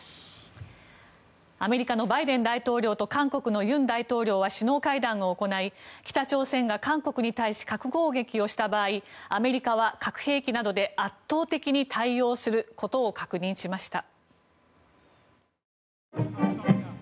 アメリカのバイデン大統領と韓国の尹大統領は首脳会談を行い北朝鮮が韓国に対し核攻撃をした場合アメリカは、核兵器などで圧倒的に対応することを確認しました。